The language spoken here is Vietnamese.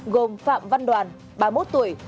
gồm phạm văn đoàn ba mươi một tuổi